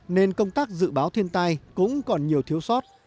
nên công tác dự báo thiên tai cũng còn nhiều thiếu sót